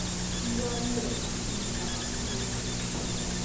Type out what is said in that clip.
N daa luya pam n-kabigi n gbali.